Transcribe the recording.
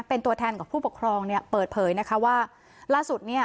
เป็นตัวแทนของผู้ปกครองเนี่ยเปิดเผยนะคะว่าล่าสุดเนี่ย